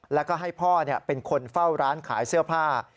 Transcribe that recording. แล้วก็ให้พ่อเป็นคนเฝ้าร้านขายเสื้อผ้า